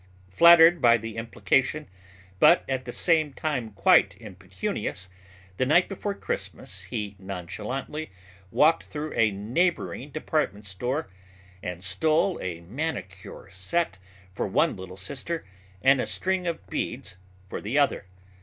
Flattered by the implication, but at the same time quite impecunious, the night before Christmas he nonchalantly walked through a neighboring department store and stole a manicure set for one little sister and a string of beads for the other.